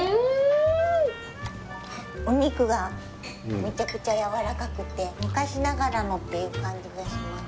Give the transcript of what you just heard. お肉がめちゃくちゃやわらかくて昔ながらのっていう感じがします。